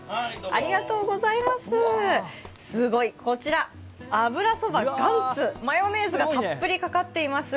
すごい、こちら油そばＧＡＮＴＺマヨネーズがたっぷりかかっています。